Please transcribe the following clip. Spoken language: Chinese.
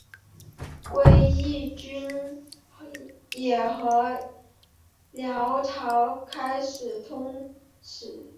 归义军也和辽朝开始通使。